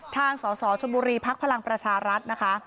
สสชนบุรีพักพลังประชารัฐนะคะ